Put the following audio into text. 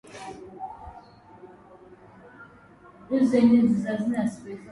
Shinyanga upande wa kusini na Mwanza upande wa mashariki